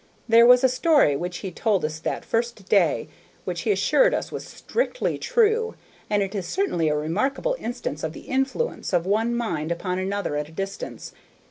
There was a story which he told us that first day, which he assured us was strictly true, and it is certainly a remarkable instance of the influence of one mind upon another at a distance.